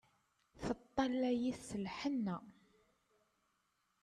Teṭṭalay-it s lhenna.